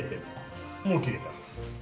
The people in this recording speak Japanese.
もう切れた。